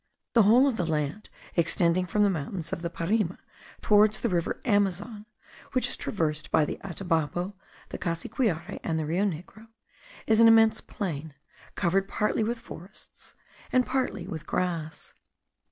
The whole of the land extending from the mountains of the Parima towards the river Amazon, which is traversed by the Atabapo, the Cassiquiare, and the Rio Negro, is an immense plain, covered partly with forests, and partly with grass.